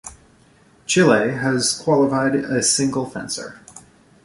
Chile has qualified a single fencer.